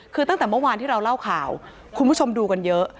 คือตั้งแต่เมื่อวานที่เราเล่าข่าวคุณผู้ชมดูกันเยอะ